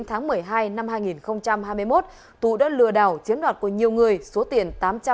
từ tháng năm năm hai nghìn hai mươi đến tháng một mươi hai năm hai nghìn hai mươi một tú đã lừa đảo chiếm đoạt của nhiều người số tiền